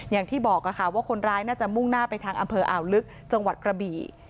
อย่างที่บอกค่ะว่าคนร้ายน่าจะมุ่งหน้าไปทางอำเภออ่าวลึกจังหวัดกระบี่